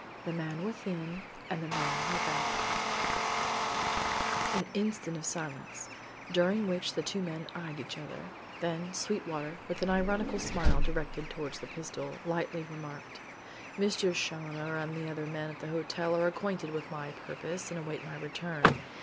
THE MAN WITHIN AND THE MAN WITHOUT An instant of silence, during which the two men eyed each other; then, Sweetwater, with an ironical smile directed towards the pistol lightly remarked: "Mr. Challoner and other men at the hotel are acquainted with my purpose and await my return.